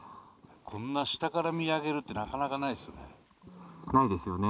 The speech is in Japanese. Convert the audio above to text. こんな下から見上げるってなかなかないですね。